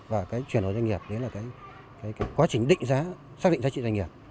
và chuyển đổi doanh nghiệp đến quá trình định giá xác định giá trị doanh nghiệp